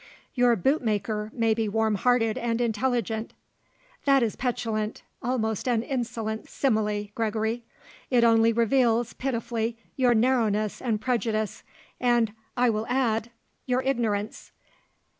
"Your bootmaker may be warm hearted and intelligent." "That is petulant almost an insolent simile, Gregory. It only reveals, pitifully, your narrowness and prejudice and, I will add, your ignorance.